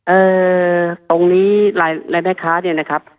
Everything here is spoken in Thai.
เอ่อตรงนี้รายแม่ค้าเนี่ยนะครับ